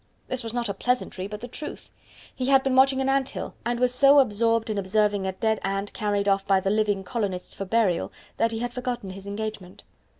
This was not a pleasantry, but the truth. He had been watching an ant hill, and was so absorbed in observing a dead ant carried off by the living colonists for burial that he had forgotten his engagement.